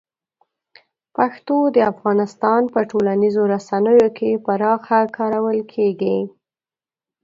پښتو د افغانستان په ټولنیزو رسنیو کې پراخه کارول کېږي.